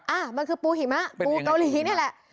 อ่ะมันคือปูหิมะปูเกาหลีนี่แหละ